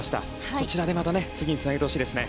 こちらでまた次につなげてほしいですね。